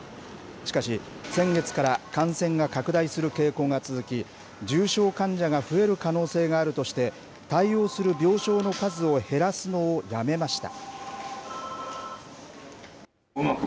しかし、先月から感染が拡大する傾向が続き、重症患者が増える可能性があるとして、対応する病床の数を減らすのをやめました。